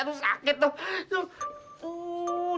aku sakit tuh